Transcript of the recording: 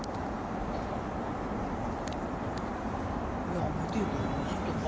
やめてどがんすっとか？